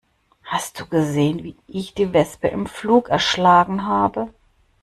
Hast du gesehen, wie ich die Wespe im Flug erschlagen habe?